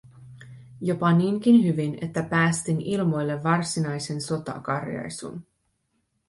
Jopa niinkin hyvin, että päästin ilmoille varsinaisen sotakarjaisun: